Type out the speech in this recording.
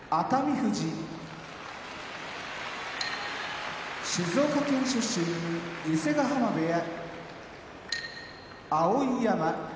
富士青森県出身伊勢ヶ濱部屋